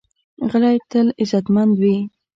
غلی، تل عزتمند وي.